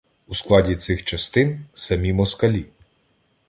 У складі цих частин — самі москалі.